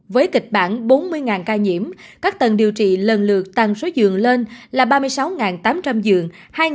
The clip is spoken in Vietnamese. với kịch bản bốn mươi ca nhiễm các tầng điều trị lần lượt tăng số giường lên là ba mươi sáu tám trăm linh giường